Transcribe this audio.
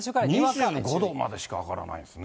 ２５度までしか上がらないんですね。